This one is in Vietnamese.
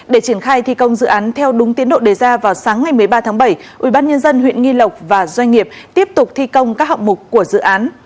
để triển khai thi công dự án theo đúng tiến độ đề ra vào sáng ngày một mươi ba tháng bảy ubnd huyện nghi lộc và doanh nghiệp tiếp tục thi công các hạng mục của dự án